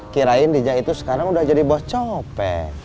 kirain diza itu sekarang udah jadi bos nyopet